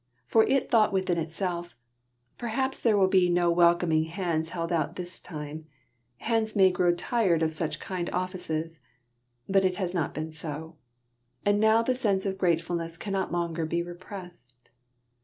For it thought within itself Perhaps there will be no welcoming hands held out this time; hands may grow tired of such kind offices. But it has not been so. And now the sense of gratefulness cannot longer be repressed.